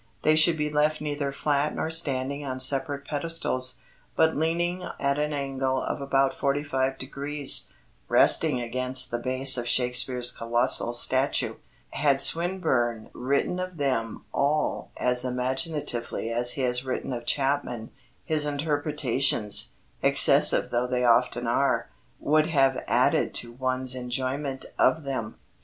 They should be left neither flat nor standing on separate pedestals, but leaning at an angle of about forty five degrees resting against the base of Shakespeare's colossal statue. Had Swinburne written of them all as imaginatively as he has written of Chapman, his interpretations, excessive though they often are, would have added to one's enjoyment of them.